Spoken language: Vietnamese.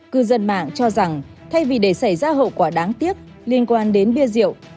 cư dân mạng cho rằng thay vì để xảy ra hậu quả đáng tiếc liên quan đến bia rượu